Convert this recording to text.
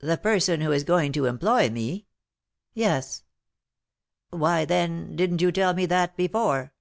"The person who is going to employ me?" "Yes." "Why, then, didn't you tell me that before?"